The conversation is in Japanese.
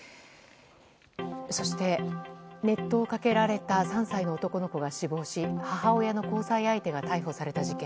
そして、熱湯をかけられた３歳の男の子が死亡し母親の交際相手が逮捕された事件。